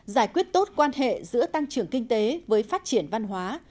giải quyết tốt quan hệ giữa tăng trưởng kinh tế với phát triển văn hóa